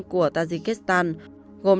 của tajikistan gồm